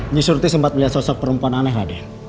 nyusurti sempat melihat sosok perempuan aneh tadi